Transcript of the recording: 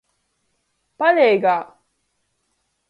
Paeigā!